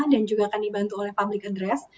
dan juga akan dibantu oleh public address